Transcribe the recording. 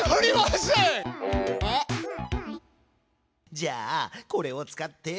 じゃあこれを使って。